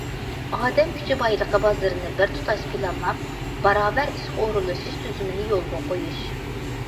ئادەم كۈچى بايلىقى بازىرىنى بىرتۇتاش پىلانلاپ، باراۋەر ئىشقا ئورۇنلىشىش تۈزۈمىنى يولغا قويۇش.